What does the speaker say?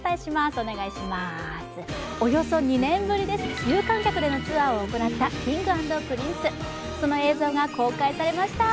およそ２年ぶりで有観客でのツアーを行ったＫｉｎｇ＆Ｐｒｉｎｃｅ、その映像が公開されました。